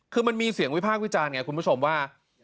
คือมันมีเสียงวิพากษ์วิจารณ์ไงคุณผู้ชมว่า